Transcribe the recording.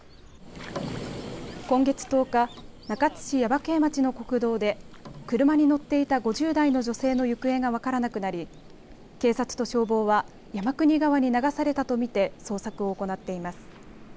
今月１０日、中津市耶馬溪町の国道で車に乗っていた５０代の女性の行方が分からなくなり警察と消防は山国川に流されたと見て捜索を行っています。